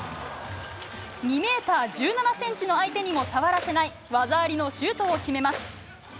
２ｍ１７ｃｍの相手にも触らせない技ありのシュートを決めます。